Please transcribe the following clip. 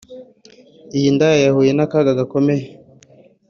iy’indaya yahuye n’akaga gakomeye